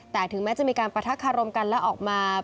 แต่ถึงแม้จะมีการประทักคารมกันและออกมา